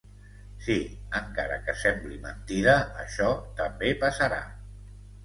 Sí, encara que sembli mentida això també passarà.